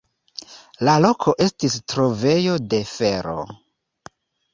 La loko estis trovejo de fero.